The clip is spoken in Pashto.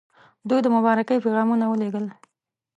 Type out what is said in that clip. دوی د مبارکۍ پیغامونه ولېږل.